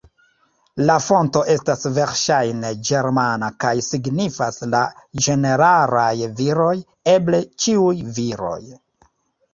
La fonto estas verŝajne ĝermana kaj signifas "la ĝeneralaj viroj", eble "ĉiuj viroj".